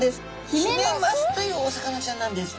ヒメマスというお魚ちゃんなんです！